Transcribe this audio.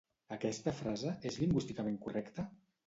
Aquesta frase és lingüísticament correcta?